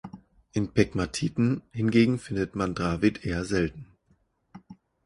In Pegmatiten hingegen findet man Dravit eher selten.